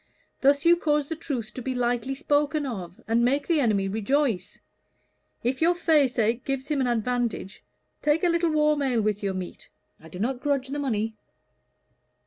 Thus you cause the truth to be lightly spoken of, and make the enemy rejoice. If your faceache gives him an advantage, take a little warm ale with your meat I do not grudge the money."